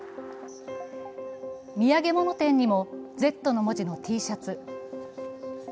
土産物展にも「Ｚ」の文字のＴシャツ。